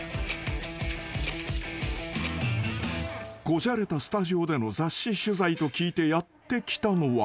［こじゃれたスタジオでの雑誌取材と聞いてやって来たのは］